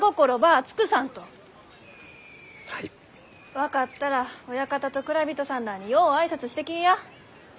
分かったら親方と蔵人さんらあによう挨拶してきいや。